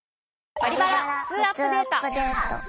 「バリバラふつうアップデート」。